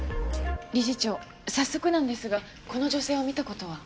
理事長早速なんですがこの女性を見た事は？